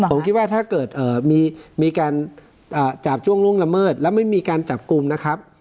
ผมคิดว่าถ้าเกิดมีการจาบจ้วงล่วงละเมิดแล้วไม่มีการจับกลุ่มนะครับ